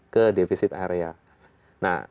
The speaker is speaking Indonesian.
ke defisit area nah